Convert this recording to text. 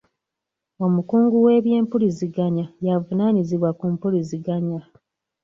Omukungu w'eby'empuliziganya y'avunaanyizibwa ku mpuliziganya.